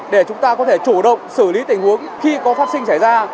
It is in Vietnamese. để chúng ta có thể chủ động xử lý tình huống khi có phát sinh xảy ra